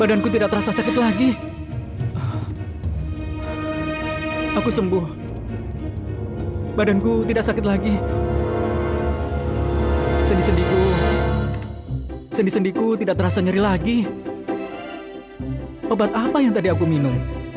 aku bawa obat untuk ayahmu